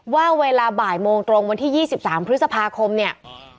ว่าเวลาบ่ายโมงตรงวันที่๒๓พฤษภาคมเนี่ย